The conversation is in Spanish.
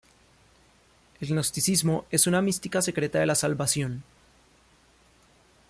El gnosticismo es una mística secreta de la salvación.